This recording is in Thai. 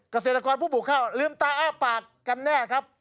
เกษตรกรผู้ปลูกข้าวลืมตาอ้าปากกันแน่ครับ